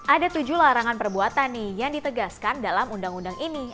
ada tujuh larangan perbuatan nih yang ditegaskan dalam undang undang ini